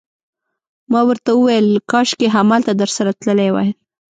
ما ورته وویل: کاشکي همالته درسره تللی وای.